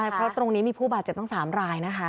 เพราะตรงนี้มีผู้บาดเจ็บตั้ง๓รายนะคะ